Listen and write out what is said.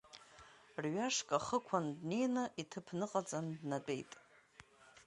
Рҩашк ахықәаны днеины, иҭыԥ ныҟаҵан, днатәеит.